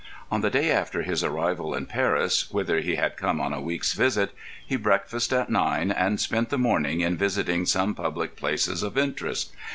On the day after his arrival in Paris, whither he had come on a week's visit, he breakfasted at nine and spent the morning in visiting some public places of interest.